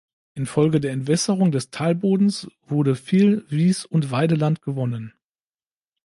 Infolge der Entwässerung des Talbodens, wurde viel Wies- und Weideland gewonnen.